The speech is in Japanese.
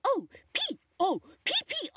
ＰＯＰＰＯ！